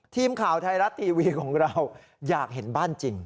ทีมข่าวไทยรัฐทีวีของเราอยากเห็นบ้านจริง